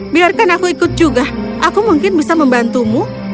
biarkan aku ikut juga aku mungkin bisa membantumu